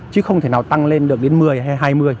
chứ không thể nào tăng lên được đến một mươi hay hai mươi